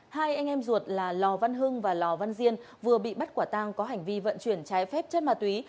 hai anh em ruột là lò văn hưng và lò văn diên vừa bị bắt quả tang có hành vi vận chuyển trái phép chất ma túy